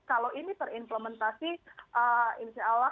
kalau ini terimplementasi insya allah besok kita bisa berjalan jalan